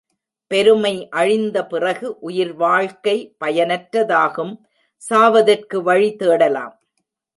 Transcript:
பெருமை அழிந்த பிறகு உயிர்வாழ்க்கை பயனற்றதாகும் சாவதற்கு வழி தேடலாம்.